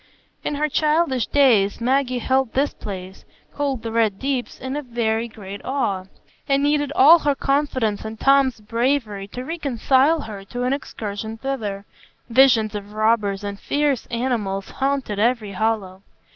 In her childish days Maggie held this place, called the Red Deeps, in very great awe, and needed all her confidence in Tom's bravery to reconcile her to an excursion thither,—visions of robbers and fierce animals haunting every hollow.